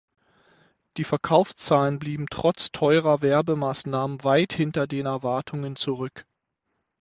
Die Verkaufszahlen blieben trotz teurer Werbemaßnahmen weit hinter den Erwartungen zurück.